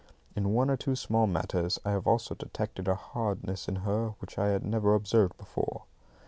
In one or two small matters I have also detected a hardness in her which I had never observed before.